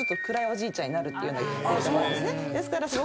暗いおじいちゃん。